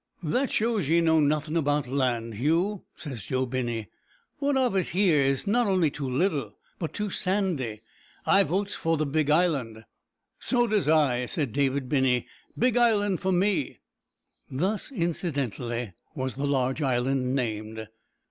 "That shows ye knows nothin' about land, Hugh," said Joe Binney. "What's of it here is not only too little, but too sandy. I votes for the big island." "So does I," said David Binney. "Big Island for me." Thus, incidentally, was the large island named.